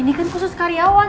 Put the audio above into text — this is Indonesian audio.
ini kan khusus karyawan